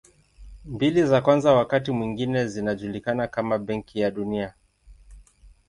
Mbili za kwanza wakati mwingine zinajulikana kama Benki ya Dunia.